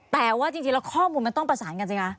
แต่ว่าจริงแล้วข้อมูลมันต้องประสานกันสิคะ